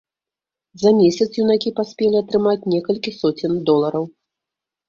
За месяц юнакі паспелі атрымаць некалькі соцень долараў.